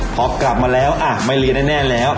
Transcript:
พอกลับมาแล้วไม่เรียนแน่แล้ว